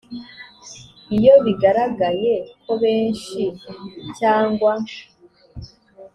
iyo bigaragaye ko benshi cyangwa